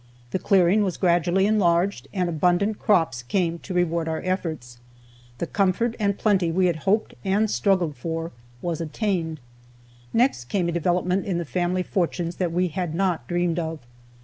The clearing was gradually enlarged, and abundant crops came to reward our efforts. The comfort and plenty we had hoped and struggled for was attained. Next came a development in the family fortunes that we had not dreamed of.